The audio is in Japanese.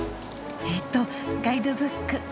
えっとガイドブック。